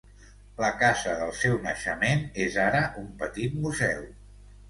La casa del seu naixement és ara un petit museu.